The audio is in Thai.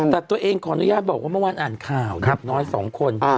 แต่ตัวเองขออนุญาตบอกว่าเมื่อวานอ่านข่าวเด็กน้อยสองคน